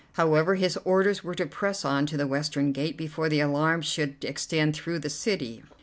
However, his orders were to press on to the western gate before the alarm should extend through the city.